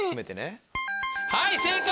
はい正解！